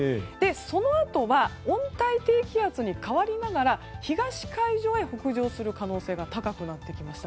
そのあとは温帯低気圧に変わりながら東海上へ北上する可能性が高くなってきました。